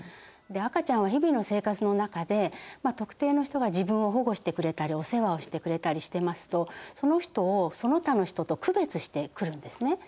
赤ちゃんは日々の生活の中で特定の人が自分を保護してくれたりお世話をしてくれたりしてますとその人をその他の人と区別してくるんですね。